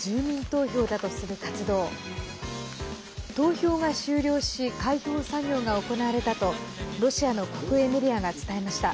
投票が終了し開票作業が行われたとロシアの国営メディアが伝えました。